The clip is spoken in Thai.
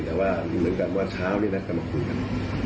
แต่ว่าเหมือนกับว่าเช้านี้นัดกันมาคุยกัน